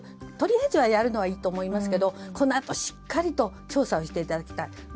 とりあえずやるのはいいと思いますけど、このあとしっかりと調査していただきたい。